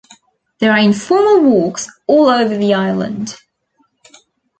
There are informal walks all over the island.